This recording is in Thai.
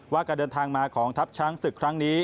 การเดินทางมาของทัพช้างศึกครั้งนี้